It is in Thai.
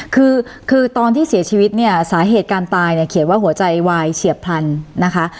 คือตอนที่เสียชีวิตสาเหตุการณ์ตายเขียนว่าหัวใจวายเฉียบพันธุ์